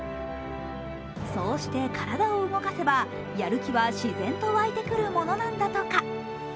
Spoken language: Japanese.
そうして体を動かせばやる気は自然とわいてくるものなんだとか。